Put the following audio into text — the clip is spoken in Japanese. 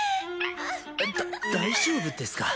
だ大丈夫ですか？